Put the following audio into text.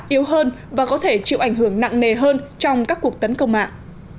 yếu hơn và có thể chịu ảnh hưởng nặng nề hơn trong các cuộc tấn công mạng